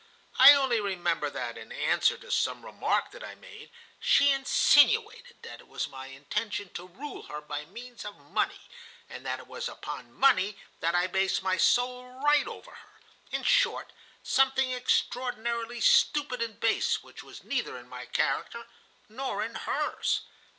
I only remember that, in answer to some remark that I made, she insinuated that it was my intention to rule her by means of money, and that it was upon money that I based my sole right over her. In short, something extraordinarily stupid and base, which was neither in my character nor in hers.